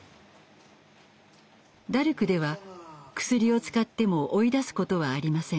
ダルクではクスリを使っても追い出すことはありません。